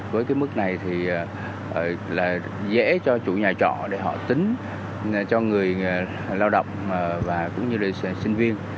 với cái mức này thì là dễ cho chủ nhà trọ để họ tính cho người lao động và cũng như là sinh viên